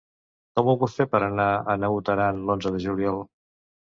Com ho puc fer per anar a Naut Aran l'onze de juliol?